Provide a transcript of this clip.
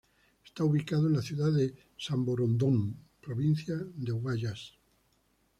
Está ubicado en la ciudad de Samborondón, provincia de Guayas.